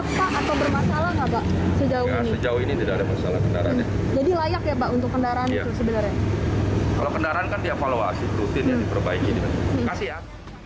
kalau kendaraan kan diavaluasi rutin yang diperbaiki